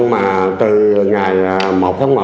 mà từ ngày một tháng một